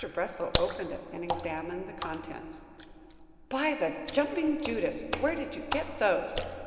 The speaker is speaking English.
Breslow opened it and examined the contents. "By the jumping Judas! Where did you get those?